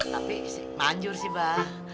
tapi si manjur sih mbak